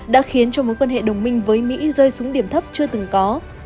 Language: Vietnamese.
đã khiến cho mối quan hệ đồng minh với mỹ rơi xuống điểm thấp chưa từng có